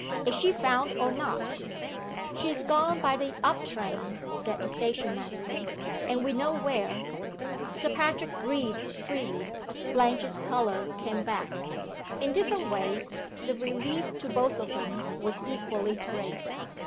"Is she found or not?" "She's gone by the up train," said the station master. "And we know where." Sir Patrick breathed freely; Blanche's color came back. In different ways, the relief to both of them was equally great.